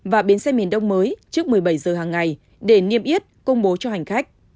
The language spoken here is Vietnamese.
và bến xe miền đông mới trước một mươi bảy giờ hàng ngày để niêm yết công bố cho hành khách